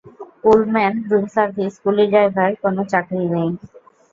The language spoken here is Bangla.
পুলম্যান, রুম সার্ভিস, কুলি, ড্রাইভার, কোনো চাকরি নেই?